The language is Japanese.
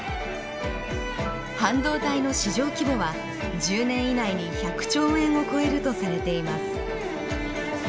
半導体の市場規模は１０年以内に１００兆円を超えるとされています。